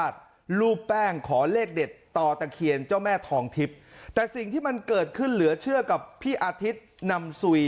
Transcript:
แต่สิ่งที่มันเกิดขึ้นเหลือเชื่อกับพี่อาทิตย์นำสุย